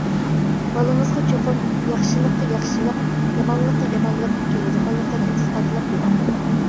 بالىڭىزغا چوقۇم «ياخشىلىققا ياخشىلىق، يامانلىققا يامانلىق» كېلىدىغانلىقىنى ئىسپاتلاپ بېرىڭ.